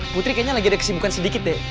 putri kaya nya lagi ada kesibukan sedikit deh